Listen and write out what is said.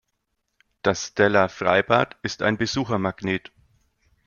Das Steller Freibad ist ein Besuchermagnet.